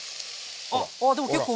あっああでも結構。